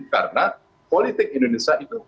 karena politik indonesia itu